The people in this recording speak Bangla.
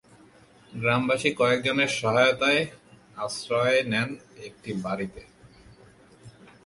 গ্রামবাসী কয়েকজনের সহায়তায় আশ্রয় নেন একটি বাড়িতে।